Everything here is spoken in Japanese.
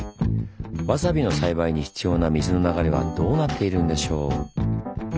わさびの栽培に必要な水の流れはどうなっているんでしょう？